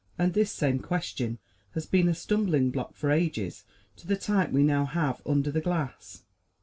And this same question has been a stumbling block for ages to the type we now have under the glass.